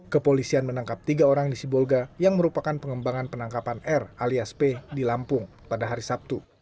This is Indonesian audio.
kepolisian menangkap tiga orang di sibolga yang merupakan pengembangan penangkapan r alias p di lampung pada hari sabtu